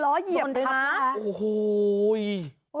ล้อเหยียบเลยนะ